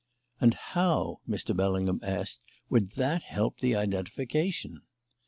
"And how," Mr. Bellingham asked, "would that help the identification?"